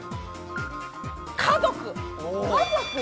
家族。